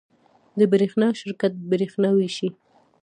د برښنا شرکت بریښنا ویشي